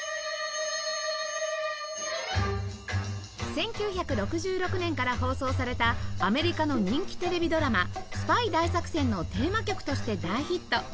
１９６６年から放送されたアメリカの人気テレビドラマ『スパイ大作戦』のテーマ曲として大ヒット